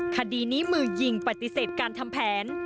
คดีนี้มือยิงปฏิเสธการทำแผน